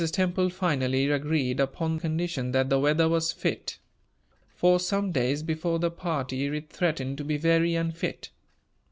Temple finally agreed, upon condition that the weather was fit. For some days before the party it threatened to be very unfit.